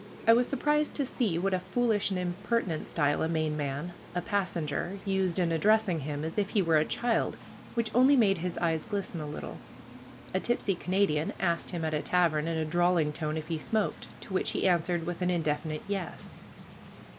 I was surprised to see what a foolish and impertinent style a Maine man, a passenger, used in addressing him, as if he were a child, which only made his eyes glisten a little. A tipsy Canadian asked him at a tavern, in a drawling tone, if he smoked, to which he answered with an indefinite "Yes."